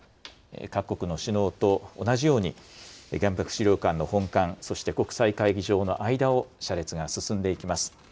各国の首脳と同じように、原爆資料館の本館、そして国際会議場の間を車列が進んでいきます。